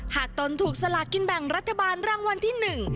หากตนถูกสลากินแบ่งรัฐบาลรางวัลที่หนึ่ง